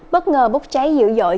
bất ngờ bốc cháy dữ dội